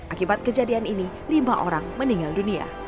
akibat kejadian ini lima orang meninggal dunia